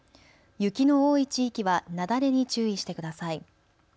雪の多い地域は雪崩に注意してください。